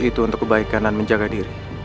itu untuk kebaikan dan menjaga diri